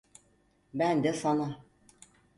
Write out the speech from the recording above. Ben de sana.